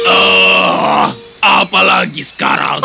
ah apalagi sekarang